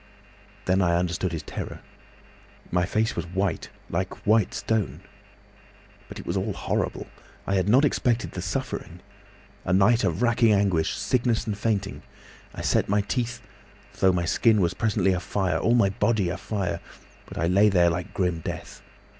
Then I understood his terror.... My face was white—like white stone. "But it was all horrible. I had not expected the suffering. A night of racking anguish, sickness and fainting. I set my teeth, though my skin was presently afire, all my body afire; but I lay there like grim death.